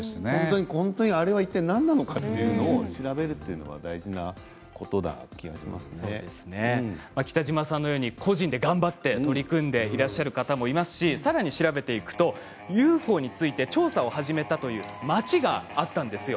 本当にあれはいったい何なのかというのを調べるというのは北島さんのように個人で頑張って取り組んでいらっしゃる方もいますしさらに調べるとＵＦＯについて調査を始めたという町があったんですよ。